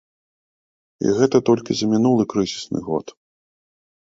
І гэта толькі за мінулы крызісны год!